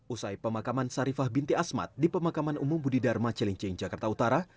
usai pemakaman sarifah binti asmat di pemakaman umum budi dharma cilincing jakarta utara